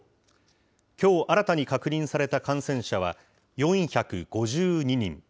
きょう新たに確認された感染者は４５２人。